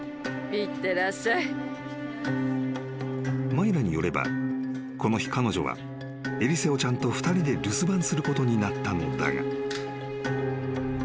［マイラによればこの日彼女はエリセオちゃんと２人で留守番することになったのだが］